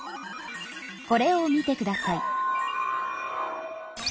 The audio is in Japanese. これを見てください。